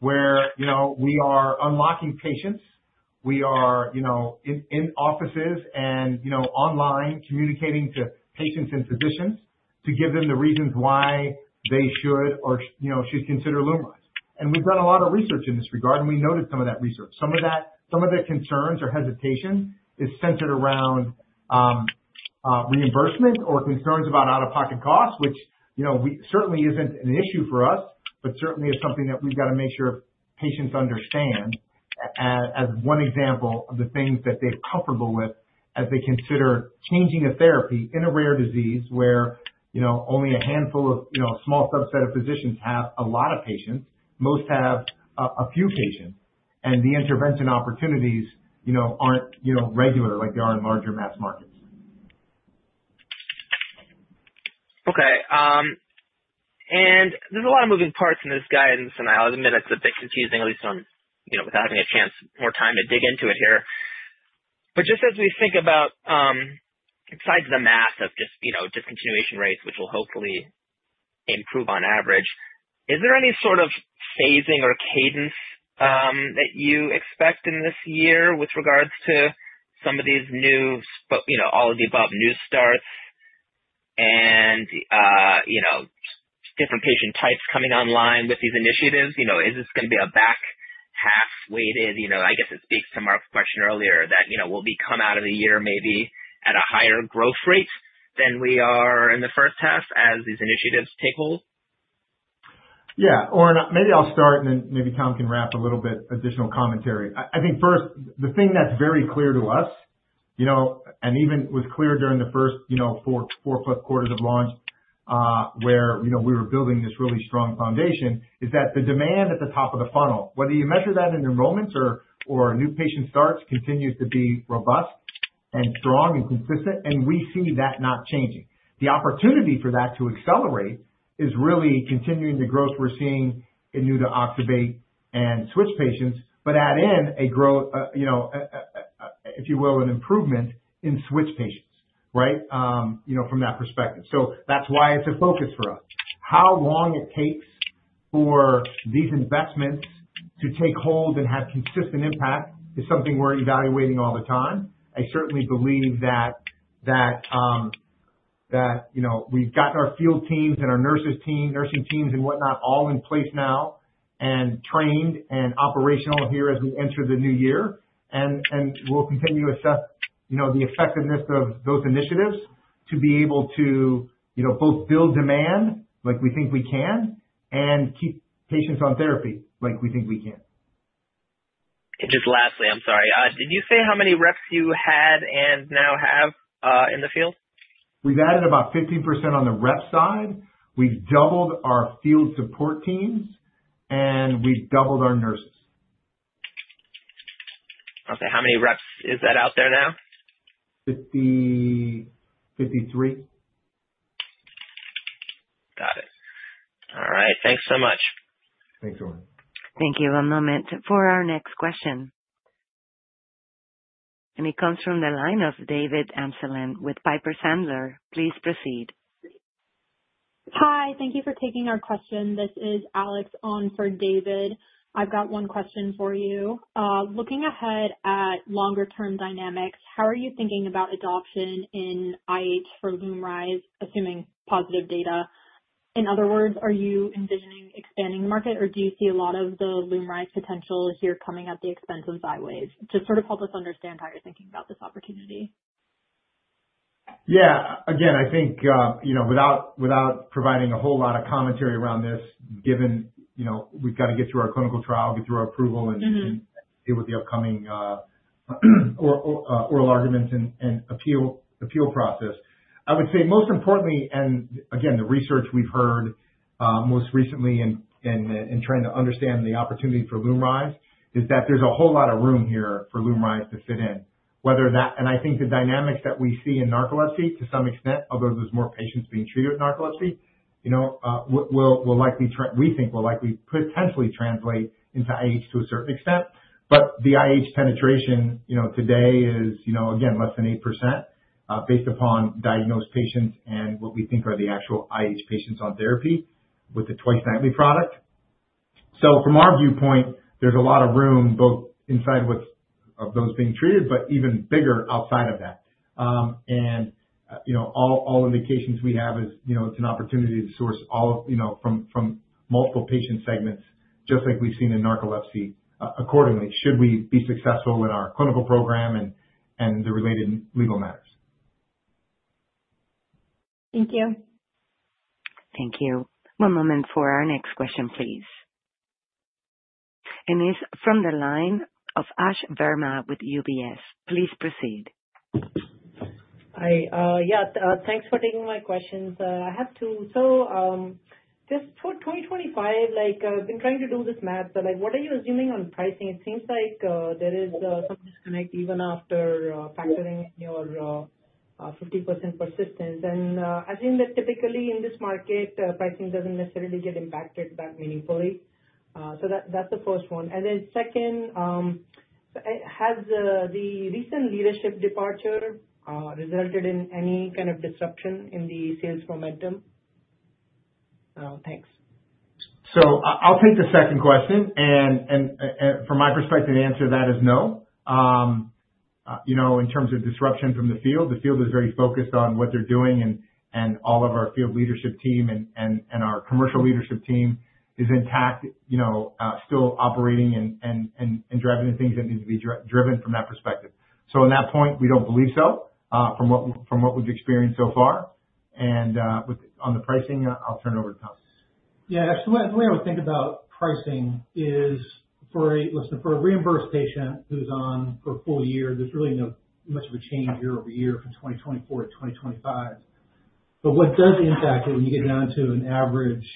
where we are unlocking patients. We are in offices and online communicating to patients and physicians to give them the reasons why they should or should consider LUMRYZ. We've done a lot of research in this regard, and we noted some of that research. Some of the concerns or hesitation is centered around reimbursement or concerns about out-of-pocket costs, which certainly isn't an issue for us, but certainly is something that we've got to make sure patients understand as one example of the things that they're comfortable with as they consider changing a therapy in a rare disease where only a handful of small subset of physicians have a lot of patients. Most have a few patients. The intervention opportunities aren't regular like they are in larger mass markets. Okay. There's a lot of moving parts in this guidance. I'll admit it's a bit confusing, at least having had more time to dig into it here. But just as we think about, besides the math of just discontinuation rates, which will hopefully improve on average, is there any sort of phasing or cadence that you expect in this year with regards to some of these new, all of the above new starts and different patient types coming online with these initiatives? Is this going to be a back-half weighted? I guess it speaks to Marc's question earlier that we'll come out of the year maybe at a higher growth rate than we are in the first half as these initiatives take hold? Yeah. Or maybe I'll start, and then maybe Tom can wrap a little bit additional commentary. I think first, the thing that's very clear to us, and even was clear during the first four quarters of launch where we were building this really strong foundation, is that the demand at the top of the funnel, whether you measure that in enrollments or new patient starts, continues to be robust and strong and consistent. And we see that not changing. The opportunity for that to accelerate is really continuing the growth we're seeing in new-to-oxybate and switch patients, but add in a growth, if you will, an improvement in switch patients, right, from that perspective. So that's why it's a focus for us. How long it takes for these investments to take hold and have consistent impact is something we're evaluating all the time. I certainly believe that we've got our field teams and our nursing teams and whatnot all in place now and trained and operational here as we enter the new year. And we'll continue to assess the effectiveness of those initiatives to be able to both build demand like we think we can and keep patients on therapy like we think we can. And just lastly, I'm sorry. Did you say how many reps you had and now have in the field? We've added about 15% on the rep side. We've doubled our field support teams, and we've doubled our nurses. Okay. How many reps is that out there now? 53. Got it. All right. Thanks so much. Thanks, Oren. Thank you. One moment for our next question. And it comes from the line of David Amsellem with Piper Sandler. Please proceed. Hi. Thank you for taking our question. This is Alex on for David. I've got one question for you. Looking ahead at longer-term dynamics, how are you thinking about adoption in IH for LUMRYZ, assuming positive data? In other words, are you envisioning expanding the market, or do you see a lot of the LUMRYZ potential here coming at the expense of Xywav? Just sort of help us understand how you're thinking about this opportunity. Yeah. Again, I think without providing a whole lot of commentary around this, given we've got to get through our clinical trial, get through our approval, and deal with the upcoming oral arguments and appeal process, I would say most importantly, and again, the research we've heard most recently in trying to understand the opportunity for LUMRYZ is that there's a whole lot of room here for LUMRYZ to fit in. And I think the dynamics that we see in narcolepsy to some extent, although there's more patients being treated with narcolepsy, we think will likely potentially translate into IH to a certain extent. But the IH penetration today is, again, less than 8% based upon diagnosed patients and what we think are the actual IH patients on therapy with the twice-nightly product. So from our viewpoint, there's a lot of room both inside of those being treated, but even bigger outside of that. And all indications we have is it's an opportunity to source all from multiple patient segments, just like we've seen in narcolepsy, accordingly, should we be successful in our clinical program and the related legal matters. Thank you. Thank you. One moment for our next question, please. And it's from the line of Ash Verma with UBS. Please proceed. Hi. Yeah. Thanks for taking my questions. I have two. So just for 2025, I've been trying to do this math, but what are you assuming on pricing? It seems like there is some disconnect even after factoring in your 50% persistence. And I think that typically in this market, pricing doesn't necessarily get impacted that meaningfully. So that's the first one. And then second, has the recent leadership departure resulted in any kind of disruption in the sales momentum? Thanks. So I'll take the second question. And from my perspective, the answer to that is no. In terms of disruption from the field, the field is very focused on what they're doing. And all of our field leadership team and our commercial leadership team is intact, still operating and driving the things that need to be driven from that perspective. So on that point, we don't believe so from what we've experienced so far. On the pricing, I'll turn it over to Tom. Yeah. The way I would think about pricing is, listen, for a reimbursed patient who's on for a full year, there's really not much of a change year over year from 2024 to 2025, but what does impact it when you get down to an average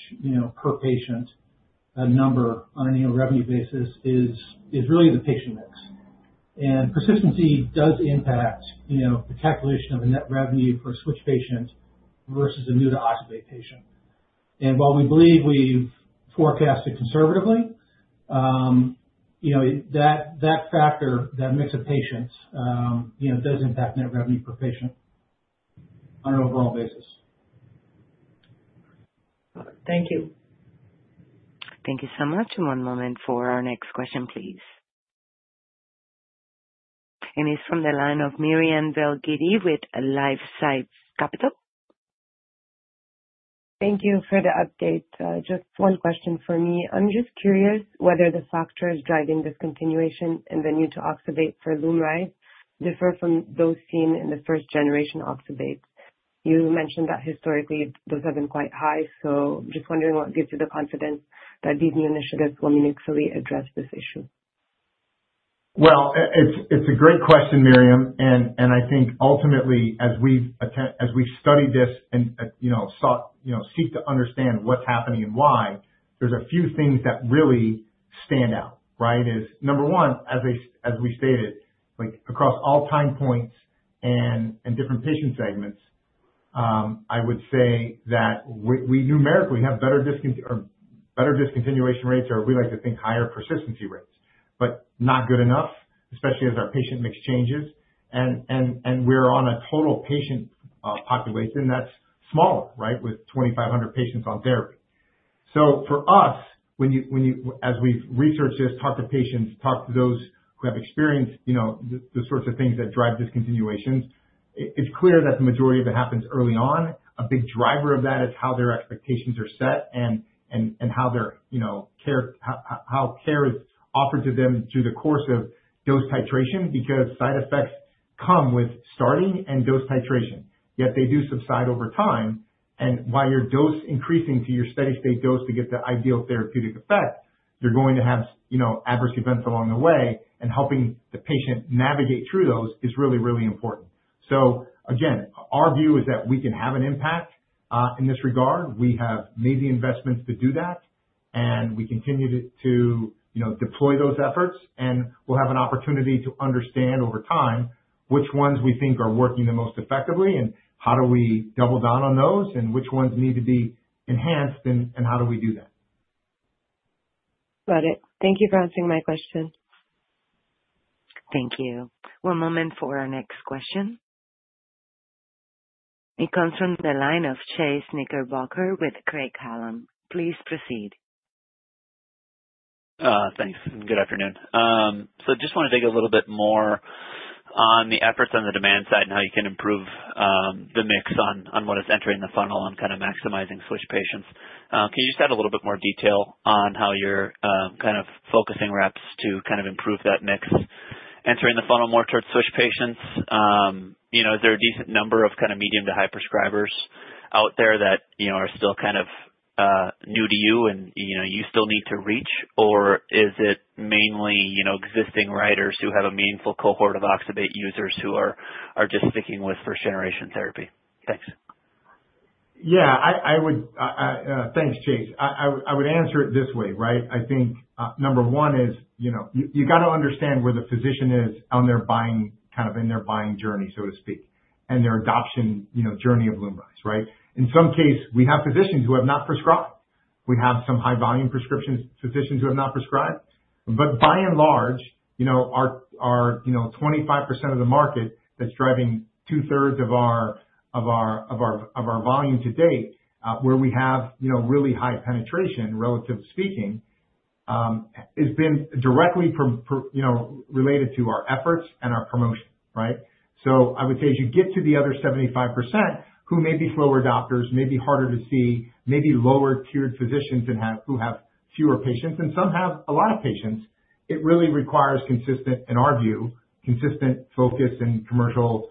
per patient number on an annual revenue basis is really the patient mix, and persistency does impact the calculation of a net revenue per switch patient versus a new-to-oxybate patient, and while we believe we've forecasted conservatively, that factor, that mix of patients, does impact net revenue per patient on an overall basis. Thank you. Thank you so much. One moment for our next question, please, and it's from the line of Miriam DelGiudice with LifeSci Capital. Thank you for the update. Just one question for me. I'm just curious whether the factors driving discontinuation in the new-to-oxybate for LUMRYZ differ from those seen in the first-generation oxybate? You mentioned that historically those have been quite high. So I'm just wondering what gives you the confidence that these new initiatives will meaningfully address this issue. Well, it's a great question, Miriam. And I think ultimately, as we've studied this and seek to understand what's happening and why, there's a few things that really stand out, right? Number one, as we stated, across all time points and different patient segments, I would say that we numerically have better discontinuation rates, or we like to think higher persistency rates, but not good enough, especially as our patient mix changes. And we're on a total patient population that's smaller, right, with 2,500 patients on therapy. For us, as we've researched this, talked to patients, talked to those who have experienced the sorts of things that drive discontinuations, it's clear that the majority of it happens early on. A big driver of that is how their expectations are set and how care is offered to them through the course of dose titration because side effects come with starting and dose titration. Yet they do subside over time. While you're dose increasing to your steady-state dose to get the ideal therapeutic effect, you're going to have adverse events along the way. Helping the patient navigate through those is really, really important. Again, our view is that we can have an impact in this regard. We have made the investments to do that. We continue to deploy those efforts. And we'll have an opportunity to understand over time which ones we think are working the most effectively and how do we double down on those and which ones need to be enhanced and how do we do that. Got it. Thank you for answering my question. Thank you. One moment for our next question. It comes from the line of Chase Knickerbocker with Craig-Hallum. Please proceed. Thanks. Good afternoon. So I just wanted to dig a little bit more on the efforts on the demand side and how you can improve the mix on what is entering the funnel and kind of maximizing switch patients. Can you just add a little bit more detail on how you're kind of focusing reps to kind of improve that mix entering the funnel more towards switch patients? Is there a decent number of kind of medium-to-high prescribers out there that are still kind of new to you and you still need to reach, or is it mainly existing writers who have a meaningful cohort of oxybate users who are just sticking with first-generation therapy? Thanks. Yeah. Thanks, Chase. I would answer it this way, right? I think number one is you got to understand where the physician is on their buying kind of in their buying journey, so to speak, and their adoption journey of LUMRYZ, right? In some cases, we have physicians who have not prescribed. We have some high-volume prescription physicians who have not prescribed. But by and large, our 25% of the market that's driving two-thirds of our volume to date, where we have really high penetration, relatively speaking, has been directly related to our efforts and our promotion, right? I would say as you get to the other 75%, who may be slower adopters, may be harder to see, may be lower-tier physicians who have fewer patients, and some have a lot of patients, it really requires, in our view, consistent focus and commercial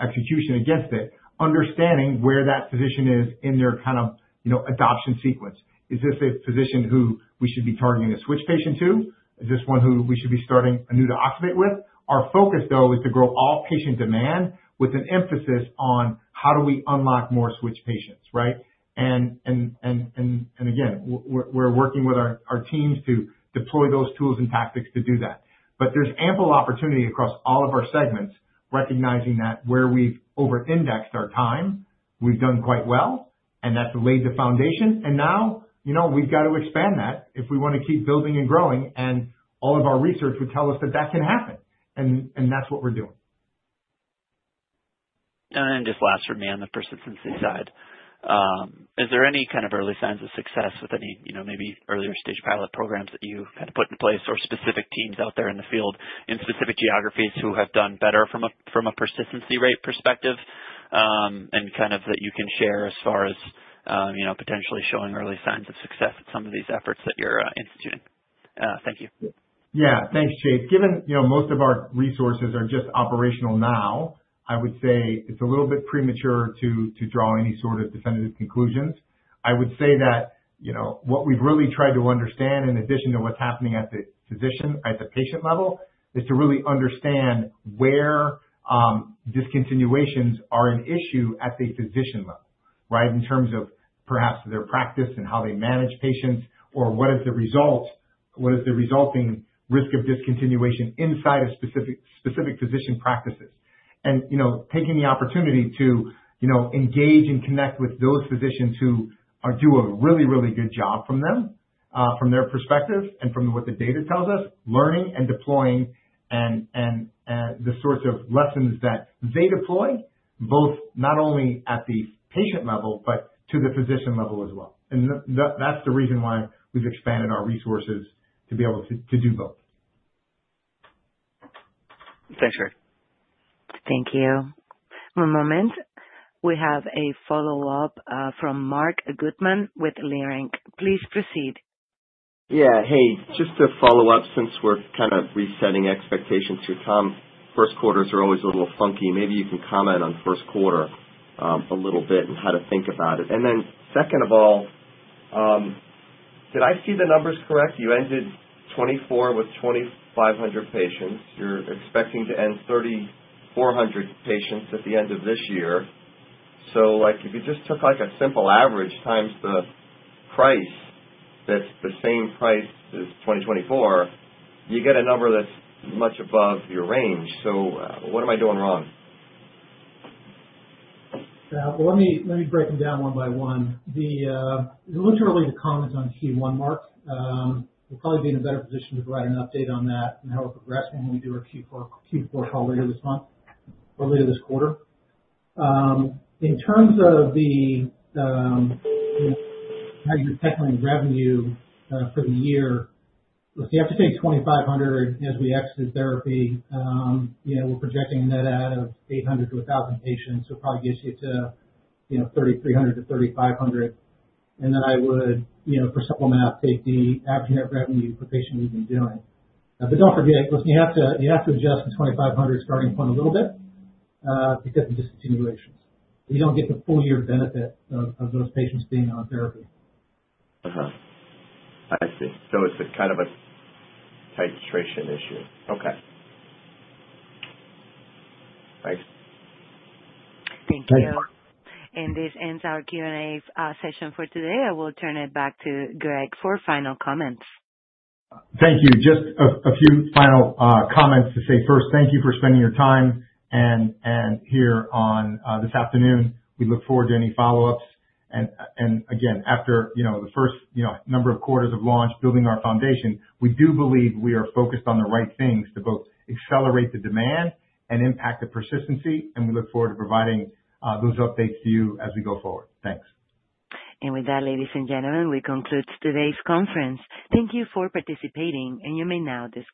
execution against it, understanding where that physician is in their kind of adoption sequence. Is this a physician who we should be targeting a switch patient to? Is this one who we should be starting a new-to-oxybate with? Our focus, though, is to grow all patient demand with an emphasis on how do we unlock more switch patients, right? And again, we're working with our teams to deploy those tools and tactics to do that. But there's ample opportunity across all of our segments, recognizing that where we've over-indexed our time, we've done quite well, and that's laid the foundation. And now we've got to expand that if we want to keep building and growing. And all of our research would tell us that that can happen. And that's what we're doing. And just last for me on the persistency side, is there any kind of early signs of success with any maybe earlier stage pilot programs that you kind of put in place or specific teams out there in the field in specific geographies who have done better from a persistency rate perspective and kind of that you can share as far as potentially showing early signs of success at some of these efforts that you're instituting? Thank you. Yeah. Thanks, Chase. Given most of our resources are just operational now, I would say it's a little bit premature to draw any sort of definitive conclusions. I would say that what we've really tried to understand, in addition to what's happening at the physician, at the patient level, is to really understand where discontinuations are an issue at the physician level, right, in terms of perhaps their practice and how they manage patients or what is the resulting risk of discontinuation inside of specific physician practices. And taking the opportunity to engage and connect with those physicians who do a really, really good job from them, from their perspective and from what the data tells us, learning and deploying and the sorts of lessons that they deploy, both not only at the patient level, but to the physician level as well. And that's the reason why we've expanded our resources to be able to do both. Thanks, Greg. Thank you. One moment. We have a follow-up from Marc Goodman with Leerink. Please proceed. Yeah. Hey, just to follow up since we're kind of resetting expectations here, Tom. First quarters are always a little funky. Maybe you can comment on first quarter a little bit and how to think about it, and then second of all, did I see the numbers correct? You ended 2024 with 2,500 patients. You're expecting to end 3,400 patients at the end of this year. So if you just took a simple average times the price that's the same price as 2024, you get a number that's much above your range. So what am I doing wrong? Yeah. Well, let me break them down one by one. It's really early to comment on Q1, Marc. We'll probably be in a better position to provide an update on that and how we're progressing when we do our Q4 call later this month or later this quarter. In terms of how you're tackling revenue for the year, if you have to take 2,500 as we exit therapy, we're projecting net add of 800-1,000 patients, which probably gets you to 3,300-3,500. And then I would, for supplement, take the average net revenue per patient we've been doing. But don't forget, listen, you have to adjust the 2,500 starting point a little bit because of discontinuations. You don't get the full year benefit of those patients being on therapy. I see. So it's a kind of a titration issue. Okay. Thanks. Thank you. And this ends our Q&A session for today. I will turn it back to Greg for final comments. Thank you. Just a few final comments to say. First, thank you for spending your time here this afternoon. We look forward to any follow-ups. And again, after the first number of quarters of launch, building our foundation, we do believe we are focused on the right things to both accelerate the demand and impact the persistency. And we look forward to providing those updates to you as we go forward. Thanks. And with that, ladies and gentlemen, we conclude today's conference. Thank you for participating. And you may now disconnect.